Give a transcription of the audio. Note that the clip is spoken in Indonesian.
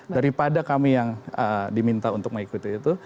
daripada kami yang diminta untuk mengikuti itu